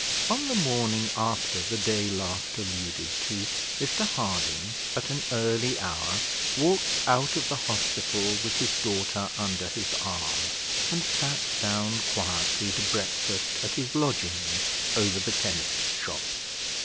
On the morning after the day last alluded to, Mr Harding, at an early hour, walked out of the hospital, with his daughter under his arm, and sat down quietly to breakfast at his lodgings over the chemist's shop.